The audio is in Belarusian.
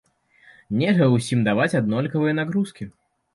Нельга ўсім даваць аднолькавыя нагрузкі.